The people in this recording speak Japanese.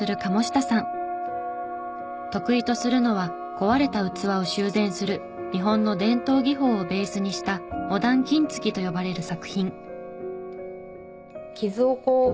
得意とするのは壊れた器を修繕する日本の伝統技法をベースにしたモダン金継ぎと呼ばれる作品。